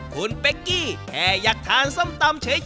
คุณเป๊กกี้แค่อยากทานส้มตำเฉย